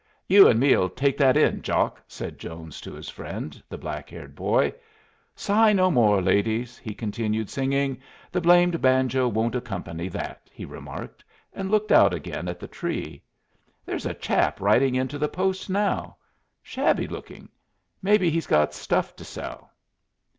"You and me'll take that in, Jock," said Jones to his friend, the black haired boy. "'Sigh no more, ladies,'" he continued, singing. "The blamed banjo won't accompany that," he remarked, and looked out again at the tree. "There's a chap riding into the post now. Shabby lookin'. Mebbe he's got stuff to sell."